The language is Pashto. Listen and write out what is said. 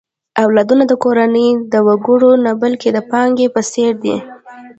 اولادونه د کورنۍ د وګړو نه، بلکې د پانګې په څېر دي.